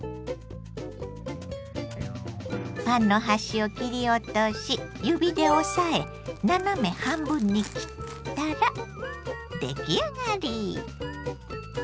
パンの端を切り落とし指で押さえ斜め半分に切ったら出来上がり！